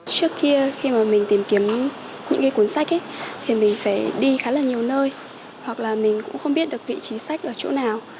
trước kia khi mà mình tìm kiếm những cuốn sách thì mình phải đi khá là nhiều nơi hoặc là mình cũng không biết được vị trí sách ở chỗ nào